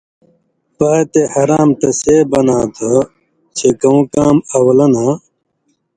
پاتے حرام تسے بَناں تھہ چے کؤں کام اؤلہ نہ